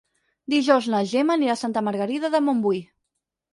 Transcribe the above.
Dijous na Gemma anirà a Santa Margarida de Montbui.